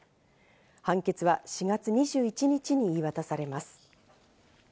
判決は４月２１日に言い渡されます。